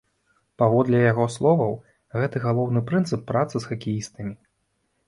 Паводле яго словаў, гэта галоўны прынцып працы з хакеістамі.